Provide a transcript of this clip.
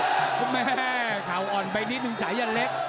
คุณแม่ข่าวอ่อนไปนิดนึงสายันเล็ก